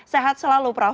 sehat selalu prof